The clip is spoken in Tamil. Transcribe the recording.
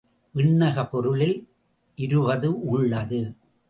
விண்ணகப் பொருளில் இருபது உள்ளது.